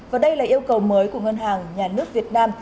và đây là yêu cầu mới của ngân hàng nhà nước việt nam